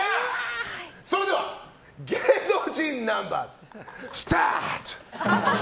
それでは芸能人ナンバーズ、スタート！